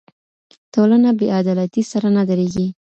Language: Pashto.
ټولنه بې عدالتۍ سره نه درېږي.